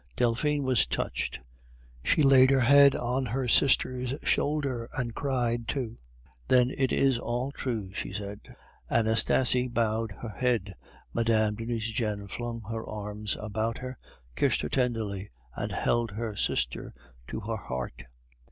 Delphine was touched; she laid her head on her sister's shoulder, and cried too. "Then it is all true," she said. Anastasie bowed her head, Mme. de Nucingen flung her arms about her, kissed her tenderly, and held her sister to her heart.